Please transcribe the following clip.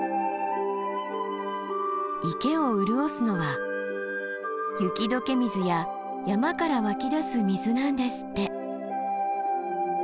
池を潤すのは雪解け水や山から湧き出す水なんですって。